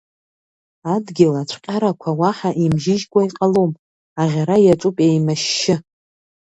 Адгьыл ацәҟьарақәа уаҳа имжьыжькуа иҟалом, аӷьара иаҿуп еимашьшьы.